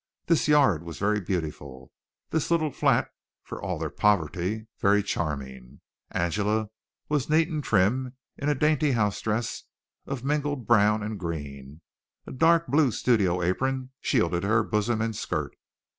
This yard was very beautiful. This little flat, for all their poverty, very charming. Angela was neat and trim in a dainty house dress of mingled brown and green. A dark blue studio apron shielded her bosom and skirt.